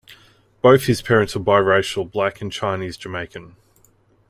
Both his parents were biracial black and Chinese-Jamaican.